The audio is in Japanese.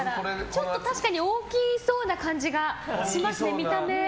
ちょっと確かに大きそうな感じしますね、見た目。